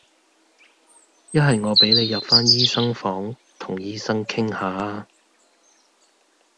一係我俾你入返醫生房同醫生傾吓呀